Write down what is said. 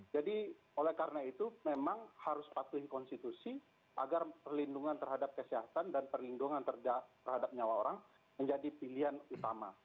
jadi oleh karena itu memang harus patuhi konstitusi agar perlindungan terhadap kesehatan dan perlindungan terhadap nyawa orang menjadi pilihan utama